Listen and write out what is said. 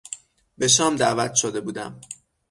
به شام دعوت شده بودم.